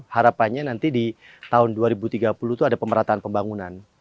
harapannya nanti di tahun dua ribu tiga puluh itu ada pemerataan pembangunan